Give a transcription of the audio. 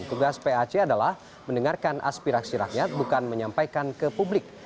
tugas pac adalah mendengarkan aspirasi rakyat bukan menyampaikan ke publik